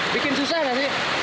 bikin susah gak sih